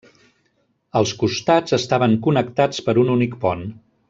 Els costats estaven connectats per un únic pont.